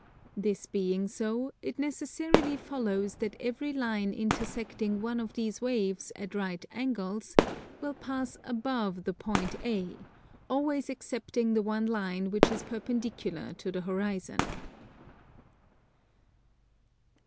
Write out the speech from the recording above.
This being so, it necessarily follows that every line intersecting one of these waves at right angles will pass above the point A, always excepting the one line which is perpendicular to the horizon.